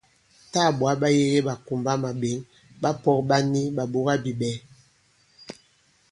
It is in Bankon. Tâ ɓwǎ ɓa yege ɓàkùmbamàɓěŋ, ɓapɔ̄k ɓa ni ɓàɓogabìɓɛ̌.